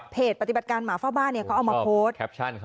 เพจปฏิบัติการหมาฟ้าบ้านเขาเอามาโพสต์